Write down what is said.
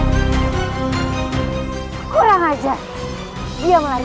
dia kabur dari sini